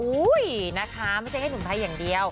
นะคะไม่ใช่แค่หนุ่มไทยอย่างเดียว